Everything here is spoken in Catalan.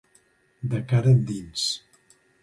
De cara endins.